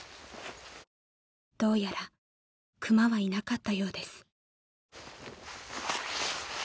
［どうやら熊はいなかったようです］